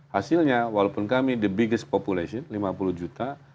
hasilnya walaupun kami the biggest population lima puluh juta